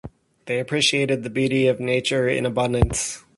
They appreciated the beauty of nature in abundance.